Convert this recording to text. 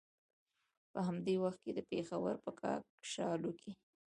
په همدې وخت کې د پېښور په کاکشالو کې.